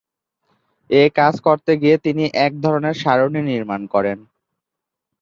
এ কাজ করতে গিয়ে তিনি এক ধরনের সারণী নির্মাণ করেন।